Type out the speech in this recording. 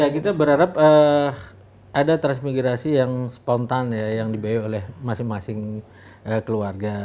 kita berharap ada transmigrasi yang spontan ya yang dibaya oleh masing masing keluarga